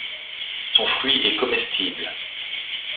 Son fruit est comestible.